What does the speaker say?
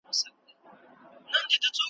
دا بلا دي نن دربار ته راولمه .